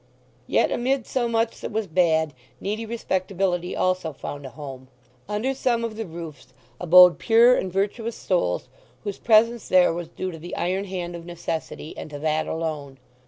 Yet amid so much that was bad needy respectability also found a home. Under some of the roofs abode pure and virtuous souls whose presence there was due to the iron hand of necessity, and to that alone.